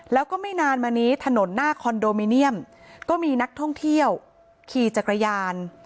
แล้วก็ไม่นานมานี้ถนนหน้าคอนโดมิเนียมก็มีนักท่องเที่ยวขี่จักรยาน